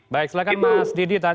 baik silakan mas didik